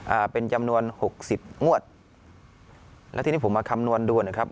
อ่าเป็นจำนวนหกสิบงวดแล้วทีนี้ผมมาคำนวณดูนะครับ